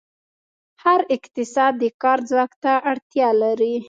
هر اقتصاد د کار ځواک ته اړتیا لري.